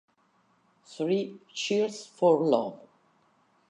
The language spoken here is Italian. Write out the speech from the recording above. Three Cheers for Love